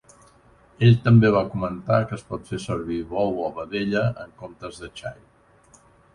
Ell també va comentar que es pot fer servir bou o vedella en comptes de xai.